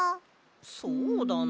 そうだな。